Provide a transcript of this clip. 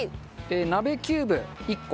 鍋キューブ１個。